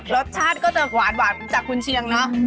รสชาติก็จะหวานจากคุณเชียงเนอะ